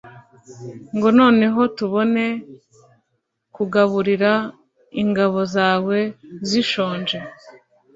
ngo noneho tubone kugaburira ingabo zawe zishonje